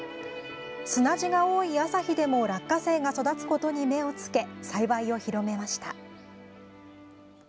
砂地が多い旭でも落花生が育つことに目を付け栽培を広めました。